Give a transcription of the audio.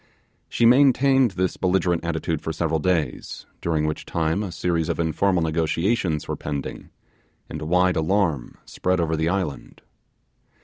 She maintained this belligerent attitude for several days, during which time a series of informal negotiations were pending, and wide alarm spread over the island.